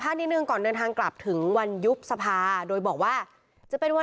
ถ้าเมื่อพร้อมครับก็พร้อมทุกอย่าง